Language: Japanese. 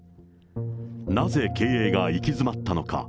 なぜ経営が行き詰ったのか。